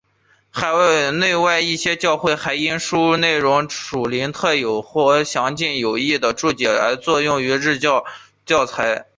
海内外一些教会还因该书内容的属灵特色和详尽且有益的注解而用作主日学教材。